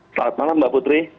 selamat malam mbak putri